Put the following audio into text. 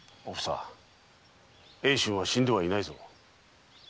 おふさ英春は死んではいないぞ。